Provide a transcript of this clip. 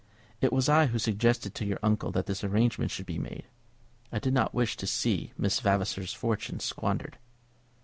"It was I who suggested to your uncle that this arrangement should be made. I did not wish to see Miss Vavasor's fortune squandered."